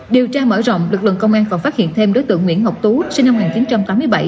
điều tra mở rộng lực lượng công an còn phát hiện thêm đối tượng nguyễn ngọc tú sinh năm một nghìn chín trăm tám mươi bảy